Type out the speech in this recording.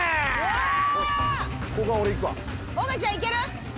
おがちゃんいける？